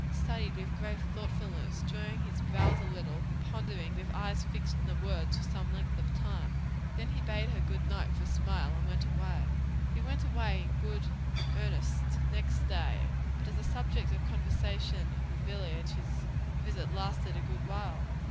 Studied with grave thoughtfulness, drawing his brows a little, and pondering with eyes fixed on the words for some length of time. Then he bade her good night with a smile, and went away. He went away in good earnest next day; but as a subject of conversation in the village his visit lasted a good while.